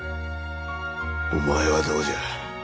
お前はどうじゃ？